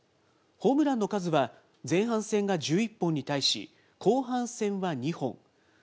ホームランの数は前半戦が１１本に対し、後半戦は２本。